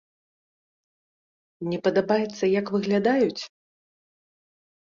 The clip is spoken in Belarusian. Не падабаецца, як выглядаюць?